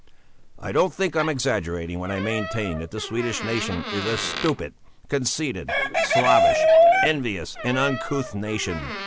"I don't think I'm exaggerating when I maintain that the Swedish nation is a stupid, conceited, slavish, envious, and uncouth nation.